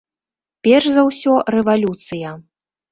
Перш за ўсё рэвалюцыя.